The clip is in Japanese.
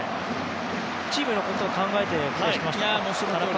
チームのことを考えてプレーしてましたね。